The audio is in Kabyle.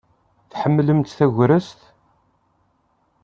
Tḥemmlemt tagrest?